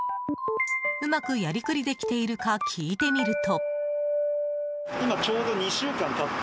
うまくやりくりできているか聞いてみると。